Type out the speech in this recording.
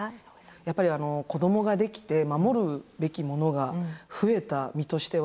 やっぱり子どもができて守るべきものが増えた身としては。